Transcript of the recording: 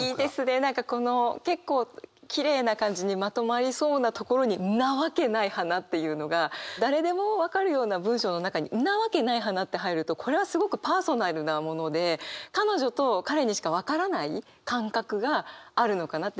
何かこの結構きれいな感じにまとまりそうなところに「んなわけない花」っていうのが誰でも分かるような文章の中に「んなわけない花」って入るとこれはすごくパーソナルなもので彼女と彼にしか分からない感覚があるのかなって。